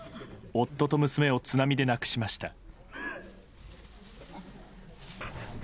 夫と娘を津波で亡くしました。